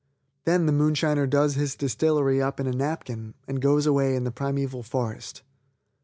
Then the moonshiner does his distillery up in a napkin and goes away into the primeval forest.